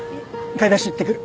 買い出し行ってくる。